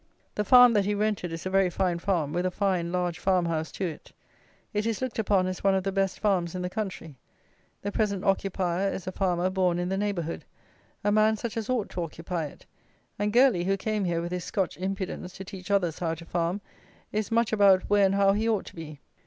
The farm that he rented is a very fine farm, with a fine large farm house to it. It is looked upon as one of the best farms in the country: the present occupier is a farmer born in the neighbourhood; a man such as ought to occupy it; and Gourlay, who came here with his Scotch impudence to teach others how to farm, is much about where and how he ought to be.